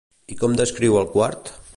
I com descriu el quart?